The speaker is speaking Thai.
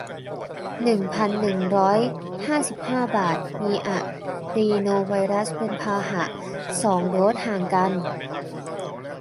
หนึ่งพันหนึ่งร้อยห้าสิบห้า บาท มีอะดรีโนไวรัสเป็นพาหะ สอง โดส ห่างกัน